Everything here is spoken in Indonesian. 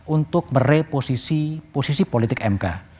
untuk mereposisi posisi politik mk